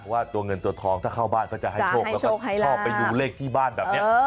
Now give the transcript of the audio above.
ว่าตัวเงินตัวทองถ้าเข้าบ้านเขาจะให้โชคแล้วก็ชอบไปดูเลขที่บ้านแบบนี้